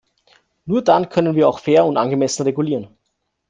Nur dann können wir auch fair und angemessen regulieren.